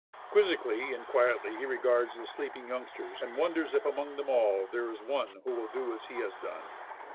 Quizzically and quietly he regards the sleeping youngsters, and won ders if among them all there is one who will do as he has done